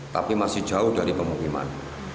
tapi masih jauh dari pemukiman